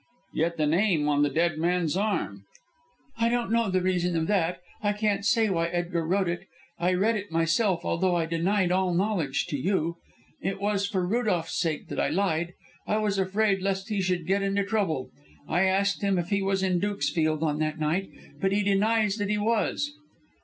"Yet the name on the dead man's arm?" "I don't know the reason of that; I can't say why Edgar wrote it. I read it myself, although I denied all knowledge to you. It was for Rudolph's sake that I lied. I was afraid lest he should get into trouble. I asked him if he was in Dukesfield on that night, but he denies that he was."